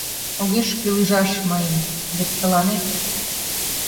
Огеш кӱл ӱжаш мыйым, вет тыланет